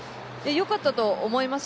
よかったと思います。